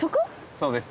そうです。